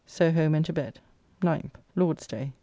So home and to bed. 9th (Lord's day).